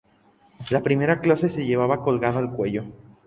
La I clase se llevaba colgada al cuello.